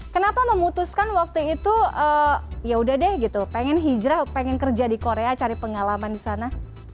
jadi apa yang memutuskan waktu itu yaudah deh gitu pengen hijrah pengen kerja di korea cari pengalaman di sana